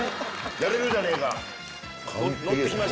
やれるじゃねえか。